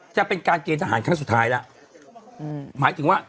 จะเป็นการแกนอาหารครั้งสุดท้ายแล้ว